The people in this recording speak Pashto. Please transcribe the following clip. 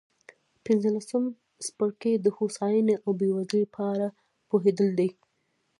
پنځلسم څپرکی د هوساینې او بېوزلۍ په اړه پوهېدل دي.